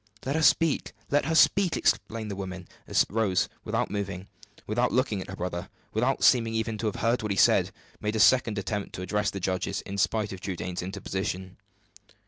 "Let her speak! let her speak!" exclaimed the women, as Rose, without moving, without looking at her brother, without seeming even to have heard what he said, made a second attempt to address her judges, in spite of Trudaine's interposition.